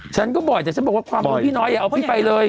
ฉันก็บ่อยแต่ฉันบอกว่าความของพี่น้อยอย่าเอาพี่ไปเลย